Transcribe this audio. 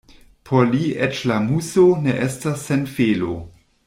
Por li eĉ la muso ne estas sen felo.